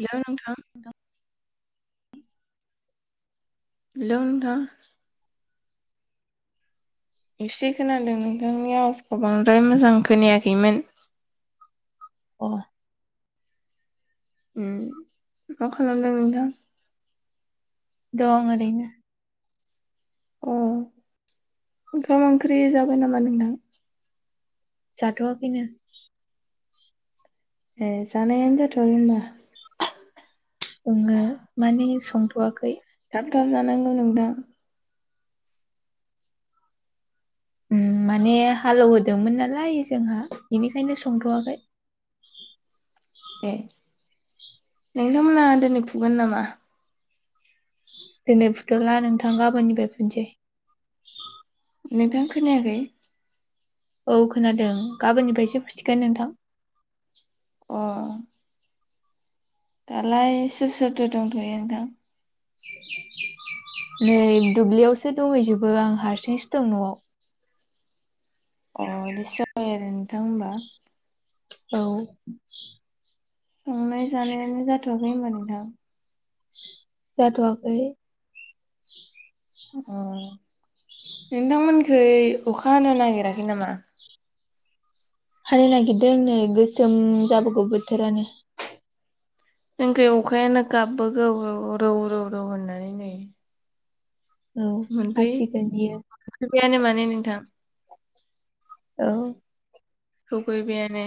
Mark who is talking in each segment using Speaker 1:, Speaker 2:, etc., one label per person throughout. Speaker 1: गियो नोंथां हेल नोंथां एसे खोनादों नोंथांनि आवाजखौ बांद्राय मोजां खोनायाखैमोन।
Speaker 2: अ
Speaker 1: उ माखालमदों नोंथां?
Speaker 2: दं ओरैनो
Speaker 1: अ ओंखाम ओंख्रि जाबाय नामा नोंथां?
Speaker 2: जाथ'वाखैनो
Speaker 1: ए जानायानो जाथआखै होनबा।
Speaker 2: ओङो माने संथ'वाखै
Speaker 1: ओंखाम जानांगौ नोंथां।
Speaker 2: ओम माने हालेवहोदोंमोन नालाय जोंहा बेनिखायनो संथ'वाखै। [unintelligible]
Speaker 1: ए नोंथांमोना दिनै फुगोन नामा?
Speaker 2: दिनै फुथ'ला नोंथां गाबोननिफ्राय फुनोसै।
Speaker 1: नोंथां खोनायाखै
Speaker 2: औ खोनादों गाबोननिफ्रायसो फुसिगोन नोंथां।
Speaker 1: अ दालाय सोर सोरथो दंथ'यो नोंथां?
Speaker 2: नै दुब्लियावसो दंहैजोबो आं हारसिंसो दं न'आव।
Speaker 1: अ इदिसो जाबाय आरो नोंथां होमबा।
Speaker 2: औ
Speaker 1: संनाय जानायानो जाथ'वाखै होनबा नोंथां?
Speaker 2: जाथ'वाखै।
Speaker 1: अ नोंथांमोनखै अखा हानो नागिराखै नामा?
Speaker 2: हानो नागिरदों नै गोसोम जाबोगौ बोथोरानो।
Speaker 1: जोनिखै अखायानो गाबबोगौ रौ रौ रौ होननानै नै।
Speaker 2: औ
Speaker 1: मोनफै
Speaker 2: हासिगोन बियो
Speaker 1: मोनफैबायानो माने नोंथां।
Speaker 2: औ
Speaker 1: सौफैबायानो।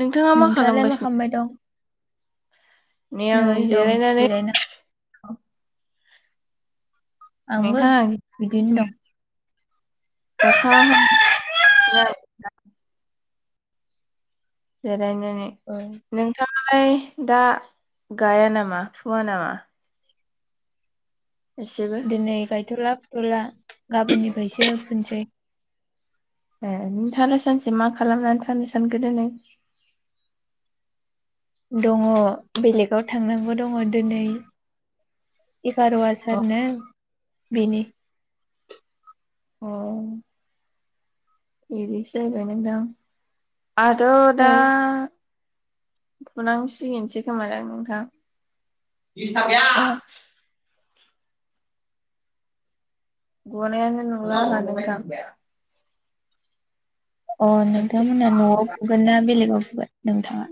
Speaker 1: नोंथाङा मा
Speaker 2: नोंथाङालाय
Speaker 1: खालामगासिनो?
Speaker 2: खालामबाय दं
Speaker 1: नेै
Speaker 2: नै
Speaker 1: आं
Speaker 2: दं
Speaker 1: जिरायनानै
Speaker 2: जिरायना आंबो
Speaker 1: नोंथां औ
Speaker 2: बिदिनो दं
Speaker 1: अखा [unintelligible]
Speaker 2: औ
Speaker 1: नोंथाङालाय दा गाया नामा फुवा नामा? एसेबो
Speaker 2: दिनै गायथ'ला फुथ'ला गाबोननिफ्रायसो फुनोसै।
Speaker 1: ए नोंथांआलाय सानसे मा खालामनानै थानो सानखो दिनै?
Speaker 2: दङ बेलेगाव थांनांगौ दङ दिनै। एगार'
Speaker 1: अ
Speaker 2: आसारनो बेनि
Speaker 1: अ बिदिसो जाहैबाय नोंथां आरो दा
Speaker 2: औ
Speaker 1: फुनांसिगोनसै खोमादां नोंथां। बिस थाकाया।
Speaker 2: अ
Speaker 1: गनायानो नुला आंहा नोंथां।
Speaker 2: अ
Speaker 1: एसे
Speaker 2: नोंथांमोना न'आव फुगोन ना बेलेगाव फुगोन नोंथाङा?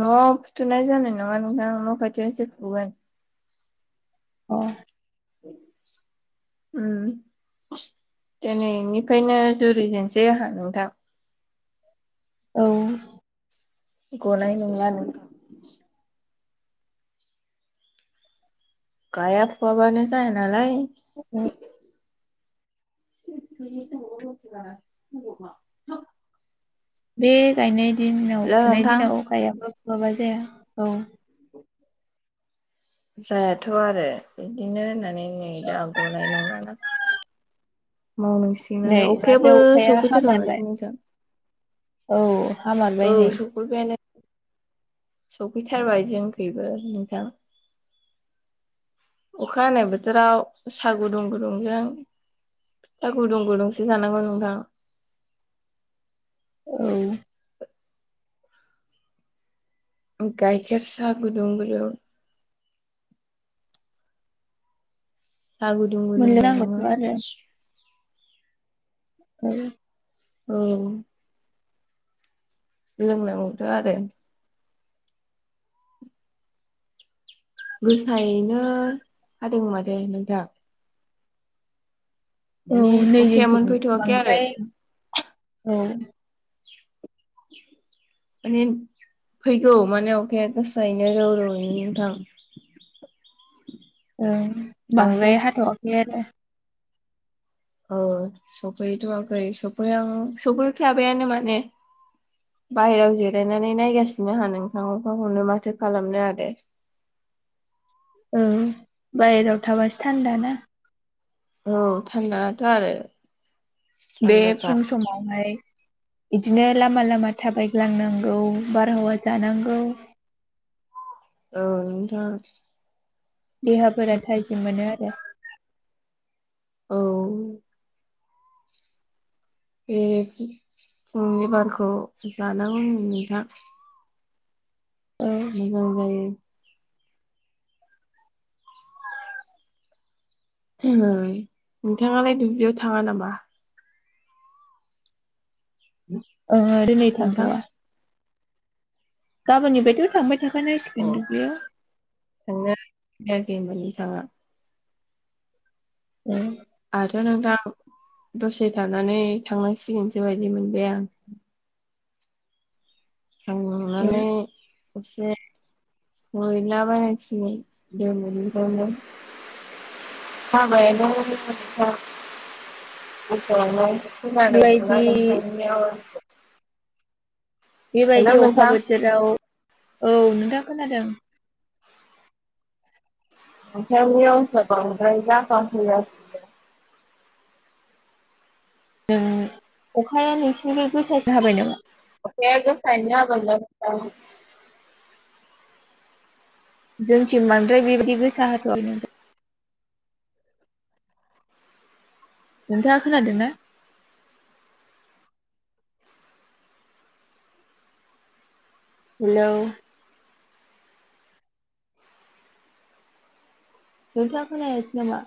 Speaker 1: न'आव फुथ'नाय जानाय नङा नोंथां न' खाथिसो फुगोन।
Speaker 2: अ
Speaker 1: उम दिनैनिफ्रायनो जुरिजेनसै आंहा नोंथां।
Speaker 2: औ
Speaker 1: गनाय नला नोंथां। गाय आ फुवाबानो जाया नालाय।
Speaker 2: औ
Speaker 1: [unintelligible]
Speaker 2: बे गायनाय दिनाव
Speaker 1: हेल'
Speaker 2: फुनाय
Speaker 1: नोंथां
Speaker 2: दिनाव गायाबो फुवाबा जाया औ
Speaker 1: जायाथ' आरो बिदिनो होननानै नै दा गनाय नंला ना।
Speaker 2: नै
Speaker 1: मावनांसिगोनानो
Speaker 2: माथो
Speaker 1: अखायाबो
Speaker 2: अखाया
Speaker 1: सफैथारबाय
Speaker 2: हामारबाय
Speaker 1: माथो नोंथां।
Speaker 2: औ हामारबाय
Speaker 1: औ
Speaker 2: नै
Speaker 1: सफैबायानो। सफैथारबाय जोंखैबो नोंथां। अखा हानाय बोथोराव सा गुदुं गुदुंजों फिथा गुदुं गुदुंसो जानांगौ नोंथां।
Speaker 2: औ।
Speaker 1: गायखेर साहा गुदुं गुदुं साहा गुदुं गुदुं
Speaker 2: मोनलों
Speaker 1: जानांगौ
Speaker 2: नांगौथ' आरो औ।
Speaker 1: औ। लोंनांगौथ' आरो। गोसायैनो हादों मादे नोंथा।
Speaker 2: औ नै
Speaker 1: अखाया
Speaker 2: जोथिं
Speaker 1: मोनफैथ'वाखै आरो
Speaker 2: बांद्राय औ। [unintelligible]
Speaker 1: माने फैगौ माने अखाया गोसायैनो रौ रौयैनो नोंथां।
Speaker 2: [unintelligible] औ
Speaker 1: दासो
Speaker 2: बांद्राय हाथ'वाखै आरो।
Speaker 1: ओ सफैथ'आखै सफैहां सफै फ्लाबायानो माने। बाहेरायाव जिरायनानै नायगासिनो आंहा नोंथां अखौनो माथो खालामनो आरो।
Speaker 2: [unintelligible] उम बाहेराव थाबासो थान्दा ना।
Speaker 1: औ थान्दाथ' आरो।
Speaker 2: बे
Speaker 1: थान्दाथार
Speaker 2: फुं समावहाय बिदिनो लामा लामा थाबायग्लांनांगौ बार हावा जानांगौ।
Speaker 1: औ नोंथां।
Speaker 2: देहाफोरा थाजिम मोनो आरो।
Speaker 1: औ। बे फुंनि बारखौ जानांगौ नोंथां।
Speaker 2: औ
Speaker 1: मोजां जायो। उम नोंथाङालाय दुब्लियाव थाङा नामा?
Speaker 2: ओहो दिनै
Speaker 1: नोंथां?
Speaker 2: थांथ'आ। गाबोननि फायथ' थांबाय थाखा नांसिगिन दुब्लियाव।
Speaker 1: थांनो जायाखै होनबा नोंथाङा
Speaker 2: उम।
Speaker 1: आरो नोंथां दसे थानानै थांनांसिगोनसो बायदि मोनबाय आं।
Speaker 2: औ
Speaker 1: थांनानै दसे मोनला बायनांसिगोन दिनैनिफ्रायनो। हाबायानो नोंथां [unintelligible] खोनानो मोनला
Speaker 2: बेबायदि
Speaker 1: नोंथांनि आवाजखौ।
Speaker 2: बेबायदि अखा
Speaker 1: नोंथां
Speaker 2: बोथोराव औ नोंथां खोनादों।
Speaker 1: नोंथांनि आवाजा बांद्राय जाखांफैयाखै।
Speaker 2: उम अखाया नोंसिनिजाय गोसासो हाबाय नामा?
Speaker 1: अखाया गोसायानो हाबाय नोंथां।
Speaker 2: जोंथिं बांद्राय बेबायदि गोसा हाथ'वाखैैनो। नोंथाङा खोनादोंना? हेलौ। नोंथाङा खोनायासै नामा?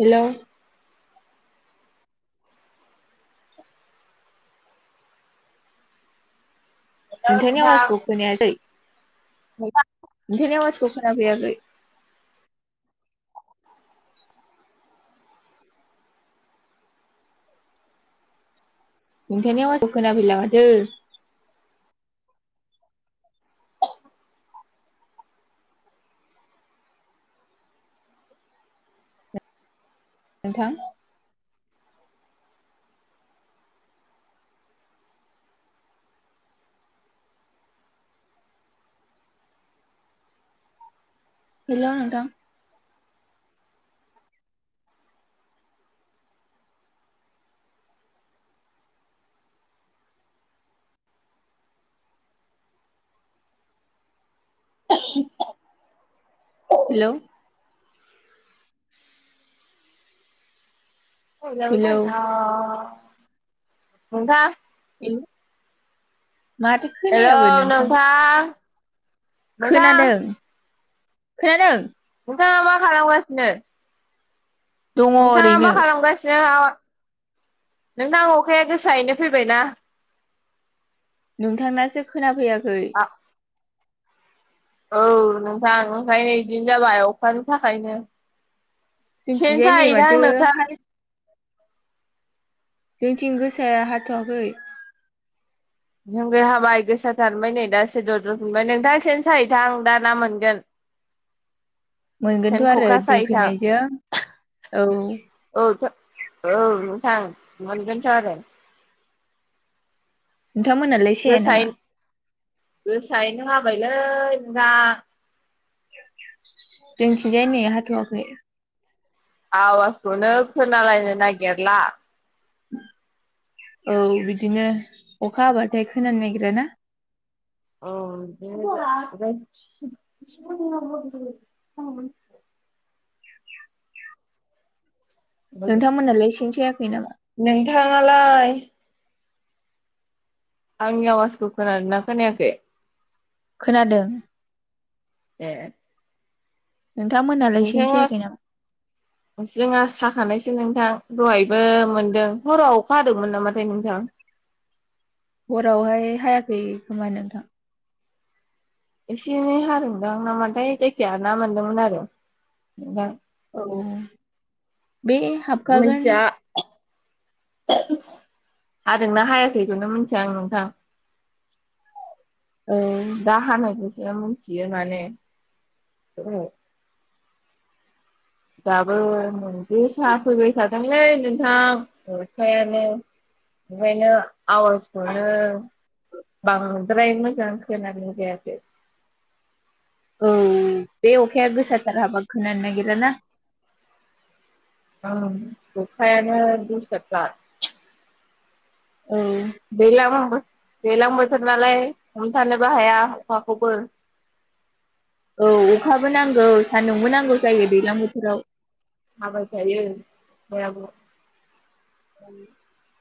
Speaker 2: हेल'!
Speaker 1: हेलौ
Speaker 2: नोंथांनि
Speaker 1: नोंथां
Speaker 2: आवासखौ खोनायाखै।
Speaker 1: [inaudible]
Speaker 2: नोंथांनि आवासखौ खोनाफैयाखै। नोंथांनि आवासखौ खोनाफैला माथो? नोंथां। हेल' नोंथां।
Speaker 1: [inaudible]
Speaker 2: हेल'!
Speaker 1: [unintelligible]
Speaker 2: हेलौ
Speaker 1: नोंथां
Speaker 2: माथो खोनायाबो नोंथां
Speaker 1: नोंथां
Speaker 2: खोनादों खोनादों
Speaker 1: नोंथाङा मा खालामगासिनो?
Speaker 2: दङ
Speaker 1: नोंथाङा
Speaker 2: ओरैनो
Speaker 1: मा खालामगासिनो आवा नोंथां अखाया गोसायैनो फैबायना?
Speaker 2: नोंथांनासो खोनाफैयाखै
Speaker 1: औ नोंथां, ओंखायनो बिदिनो जाबाय अखानि थाखायनो सेन
Speaker 2: जोंथिंजाय नै
Speaker 1: साहैथां
Speaker 2: माथो
Speaker 1: नोंथां
Speaker 2: हा जोंथिं गोसाया हाथ'वाखै
Speaker 1: जोंनिखै हाबाय गोसाथार। ओमफ्राय नै दा एसे दद्रफिनबाय नोंथां सेन साहैथां दा ना मोनगोन। सेन
Speaker 2: मोनगोनथ' आरो
Speaker 1: ख'खा
Speaker 2: दै
Speaker 1: साहैथां
Speaker 2: फैनायजों औ
Speaker 1: औ औ नोंथां मोनगोनथ' आरो
Speaker 2: नोंथांमोनालाय साया
Speaker 1: गोसायै
Speaker 2: नामा?
Speaker 1: गोसायैनो हाबायलै नोंथां
Speaker 2: जोंनिथिंजाय नै हाथ'वाखै
Speaker 1: आवाजखौनो खोनालायनो नागिरला
Speaker 2: [inaudible] औ बिदिनो अखा हाबाथाय खोनानो नागिरा ना
Speaker 1: अ [inaudible]
Speaker 2: [inaudible] नोंथांमोनहालाय सेन सायाखै नामा?
Speaker 1: मालाय आंनि आवाजखौ खोनादोंना खोनायाखै?
Speaker 2: खोनादों
Speaker 1: ए
Speaker 2: नोंथांमोनालाय सेन
Speaker 1: नोंथांङा
Speaker 2: सायाखै नामा?
Speaker 1: जोंहा साखानायसो नोंथां दहायबो मोनदों। हराव अखा हादोंमोन नामाथाय नोंथां?
Speaker 2: हरावहाय हायाखै खोमा नोंथां
Speaker 1: एसे एनै हादोंदां नामाथाय जायखिाया ना मोनदोंमोन आरो नोंथां
Speaker 2: औ बे हाबखागोन
Speaker 1: मिथिया हादोंना हायाखैखौनो मिथिया आं नोंथां
Speaker 2: औ
Speaker 1: दा हानायखौसो मिथियो माने दाबो मोनदे गोसा फैबाय थादोंलै नोंथां अखायानो ओंखायनो आवाजखौनो बांद्राय मोजां खोनानाय जायाखै
Speaker 2: औ बे अखाया गोसाथार हाबा खोनानो नागिरा ना।
Speaker 1: ओं अखायानो दिसथाबथार।
Speaker 2: औ
Speaker 1: [unintelligible] दैलां बोथोर नालाय हमथानोबो हाया अखाखौबो।
Speaker 2: औ अखाबो नांगौ सान्दुंबो नांगौ जायो दैज्लां बोथोराव।
Speaker 1: हाबाय थायो अखायाबो।
Speaker 2: [unintelligible]